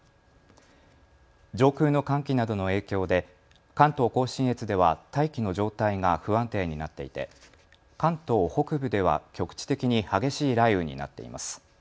上空の寒気などの影響で関東甲信越では大気の状態が不安定になっていて関東北部では局地的に激しい雷雨になっています。